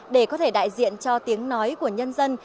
để có thể đại diện cho tiếng nói của nhân dân